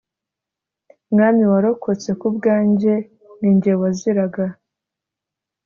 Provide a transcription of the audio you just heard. Mwami wakoretse kubwanjye ninjye waziraga